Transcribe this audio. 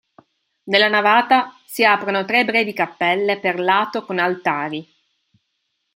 Nella navata si aprono tre brevi cappelle per lato con altari.